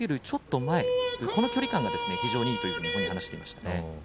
ちょっと前この距離感が非常にいいと話していました。